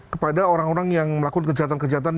kepada orang orang yang melakukan kejahatan kejahatan